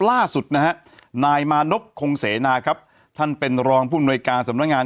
ล่าสุดนะฮะนายมานพคงเสนาครับท่านเป็นรองผู้อำนวยการสำนักงาน